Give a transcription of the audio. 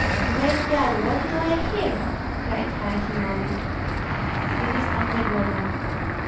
"Great God! what do I hear?" cried Harasimovich. "This is Pan Zagloba."